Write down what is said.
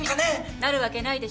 なるわけないでしょ。